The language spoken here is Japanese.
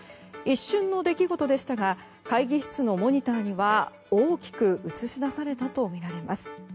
一瞬の出来事でしたが会議室のモニターには大きく映し出されたとみられます。